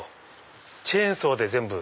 チェーンソーで全部？